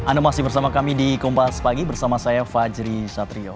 anda masih bersama kami di kompas pagi bersama saya fajri satrio